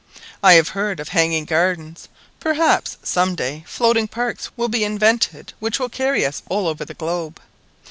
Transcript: I have heard of hanging gardens. Perhaps some day floating parks will be invented which will carry us all over the globe!